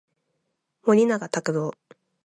森永卓郎